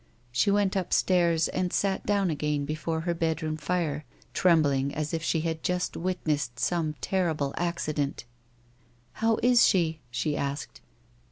She went xipstairs and sat down again before her bed room fire, trembling as if she had just witnessed some terrible accident. " How is she ?" she asked.